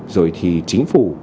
rồi thì chính phủ